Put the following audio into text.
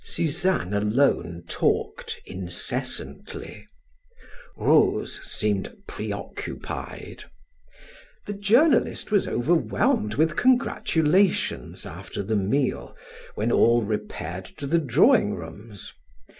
Suzanne alone talked incessantly. Rose seemed preoccupied. The journalist was overwhelmed with congratulations, after the meal, when all repaired to the drawing rooms.